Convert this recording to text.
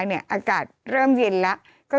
จำกัดจำนวนได้ไม่เกิน๕๐๐คนนะคะ